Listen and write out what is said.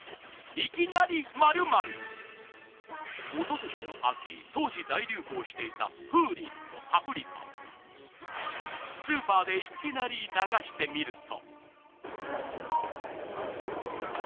おととしの秋当時大流行していたＦｏｏｒｉｎの『パプリカ』をスーパーでいきなり流してみると。